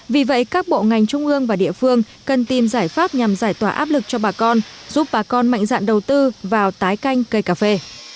vì vậy các bộ ngành trung ương và địa phương cần tìm giải pháp nhằm giải tỏa áp lực cho bà con giúp bà con mạnh dạn đầu tư vào tái canh cây cà phê